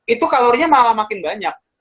itu kalorinya malah makin banyak